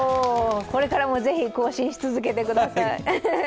これからも是非更新し続けてください。